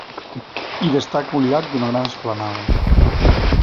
Hi destaca un llac i una gran esplanada.